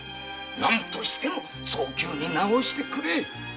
何としても早急に治してくれ。